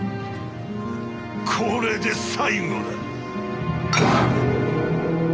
これで最後だ！